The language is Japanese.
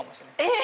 え！